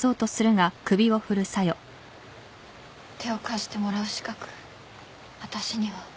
手を貸してもらう資格私には。